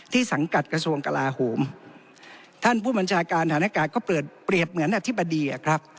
ที่สังกัดกระทรวงกลาหุ่มท่านผู้บัญชาการธนการเขาก็เปลี่ยนเหมือนอธิบดีค่ะครับ